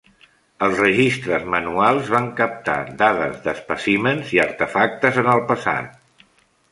Els registres manuals van captar dades d'espècimens i artefactes en el passat.